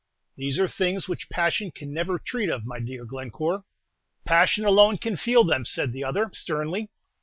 "These are things which passion can never treat of, my dear Glencore." "Passion alone can feel them," said the other, sternly.